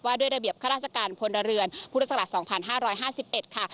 ว่าด้วยระเบียบข้าราชการพลเรือนพศ๒๕๕๑ค่ะ